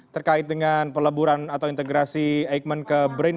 terkait dengan peleburan atau integrasi eijkman ke brin